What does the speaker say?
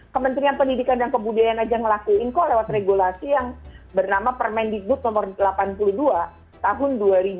kementerian pendidikan dan kebudayaan aja ngelakuin kok lewat regulasi yang bernama permendikbud nomor delapan puluh dua tahun dua ribu dua puluh